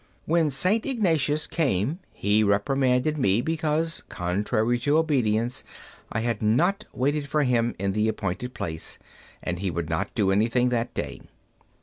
When St. Ignatius came he reprimanded me because, contrary to obedience, I had not waited for him in the appointed place, and he would not do anything that day.